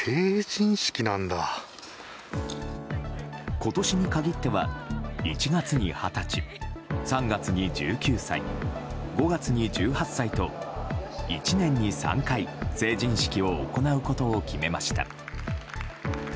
今年に限っては１月に二十歳３月に１９歳、５月に１８歳と１年に３回成人式を行うことを決めました。